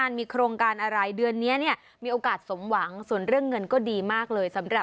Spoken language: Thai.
อันดับที่ดวงดีในเดือนมกราคมอันดับที่สองได้แก่